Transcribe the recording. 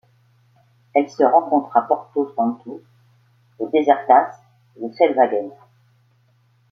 Elle se rencontre à Porto Santo, aux Desertas et aux Selvagens.